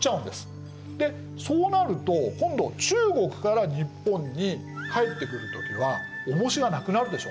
でそうなると今度中国から日本に帰ってくる時は重しがなくなるでしょ。